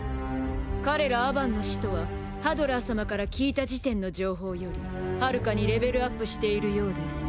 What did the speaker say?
彼らアバンの使徒はハドラー様から聞いた時点の情報よりはるかにレベルアップしているようです。